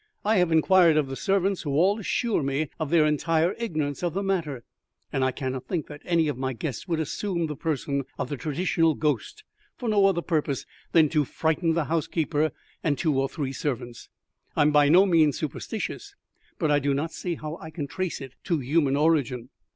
"I have inquired of the servants, who all assure me of their entire ignorance of the matter, and I cannot think that any of my guests would assume the person of the traditional ghost for no other purpose than to frighten the housekeeper and two or three servants. I'm by no means superstitious, but I do not see how I can trace it to human origin."